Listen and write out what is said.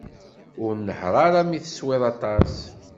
Ur nehher ara mi teswiḍ aṭas.